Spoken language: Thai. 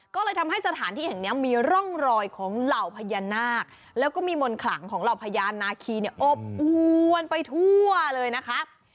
ก็เลยทำให้สถานที่แห่งนี้มีร่องรอยของเหล่าพญานาคแล้วก็มีมนต์ขลังของเหล่าพญานาคีเนี่ยอบอวนไปทั่วเลยนะคะ